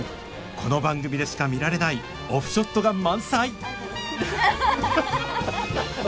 この番組でしか見られないオフショットが満載！